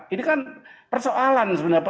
ini kan persoalan sebenarnya